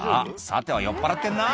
さては酔っぱらってんな？